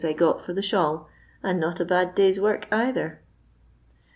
I got for the shawl, and not a bad day's work either."